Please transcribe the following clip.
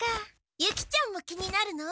ユキちゃんも気になるの？